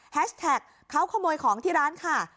แท็กเขาขโมยของที่ร้านค่ะ